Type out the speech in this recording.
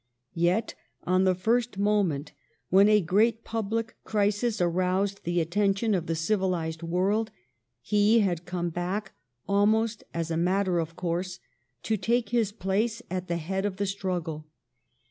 Yet on the first mo ment when a great public crisis aroused the attention of the civilized world he had come back, almost as a matter of course, to take his place at the head of the struggle.